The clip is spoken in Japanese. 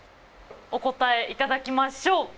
お答えいただきましょう。